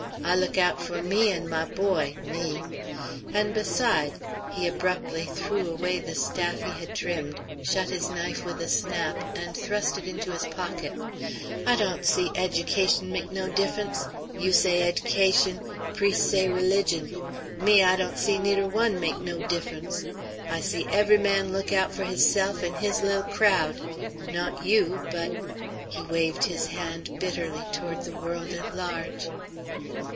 I look out for me and my boy, me. And beside," he abruptly threw away the staff he had trimmed, shut his knife with a snap, and thrust it into his pocket, "I dawn't see ed'cation make no diff'ence. You say ed'cation priest say religion me, I dawn't see neider one make no diff'ence. I see every man look out for hisself and his li'l' crowd. Not you, but" He waved his hand bitterly toward the world at large.